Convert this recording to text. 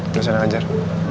gak usah nak ajar